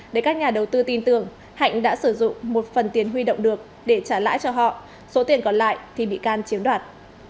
để các nhà đầu tư tin tưởng hạnh đã sử dụng một phần tiền huy động được để trả lãi cho họ số tiền còn lại thì bị can chiếm đoạt